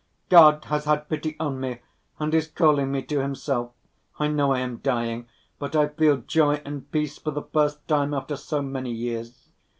"God has had pity on me and is calling me to Himself. I know I am dying, but I feel joy and peace for the first time after so many years.